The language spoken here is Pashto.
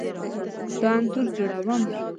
ستا انځور جوړوم .